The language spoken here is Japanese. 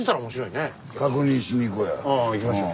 あ行きましょう。